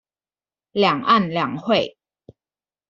兩岸兩會